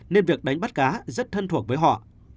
nên việc đánh bắt cá rất thân thuộc với họ